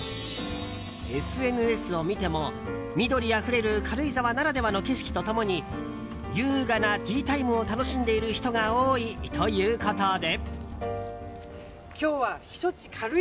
ＳＮＳを見ても、緑あふれる軽井沢ならではの景色と共に優雅なティータイムを楽しんでいる人が多いということで。